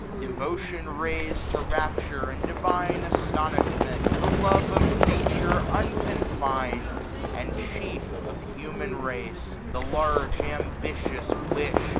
Devotion rais'd To rapture, and divine astonishment ; The love of Nature unconfin'd, and, chief. Of human ra'ce ; the large ambitious wish.